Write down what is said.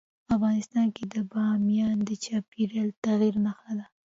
افغانستان کې بامیان د چاپېریال د تغیر نښه ده.